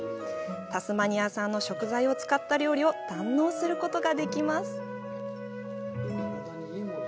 タスマニア産の食材を使った料理を堪能することができます。